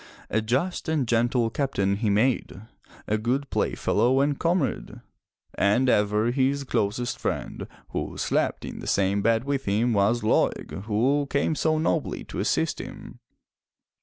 A just and gentle Captain he made, a good playfellow and comrade. And ever his closest friend, who slept in the same bed with him, was Laeg, who came so nobly to assist him.